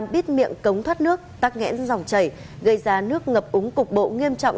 bít miệng cống thoát nước tắc nghẽn dòng chảy gây ra nước ngập úng cục bộ nghiêm trọng